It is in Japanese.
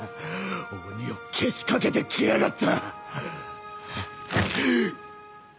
鬼をけしかけてきやがった！